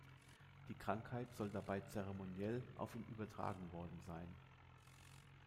Die Krankheit soll dabei zeremoniell auf ihn übertragen worden sein.